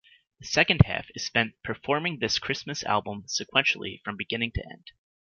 The second half is spent performing this Christmas album sequentially from beginning to end.